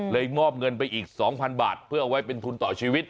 มอบเงินไปอีก๒๐๐๐บาทเพื่อเอาไว้เป็นทุนต่อชีวิต